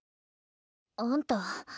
あんた。